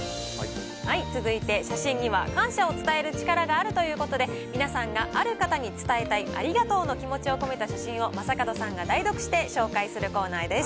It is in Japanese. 続いて写真には感謝を伝える力があるということで、皆さんがある方に伝えたいありがとうの気持ちを込めた写真を正門さんが代読して紹介するコーナーです。